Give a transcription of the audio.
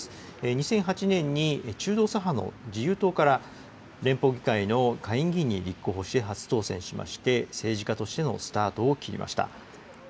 ２００８年に中道左派の自由党から連邦議会の下院議員に立候補し、初当選しまして、政治家としてのスタートを切りました。